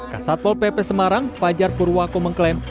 kasatpol pp semarang fajar purwako mengklaim